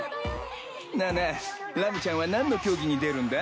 なあなあラムちゃんは何の競技に出るんだ？